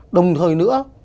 đồng thời nữa